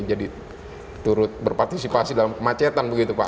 jadi berpartisipasi dalam kemacetan begitu pak